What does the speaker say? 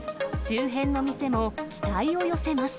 周辺の店も、期待を寄せます。